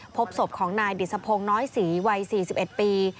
พบศพของนายดิษพงศ์น้อยศรีวัย๔๑ปี